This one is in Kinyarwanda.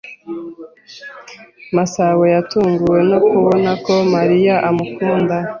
Masabo yatunguwe no kubona ko Mariya amukunda.